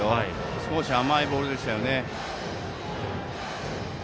少し甘いボールでしたよね。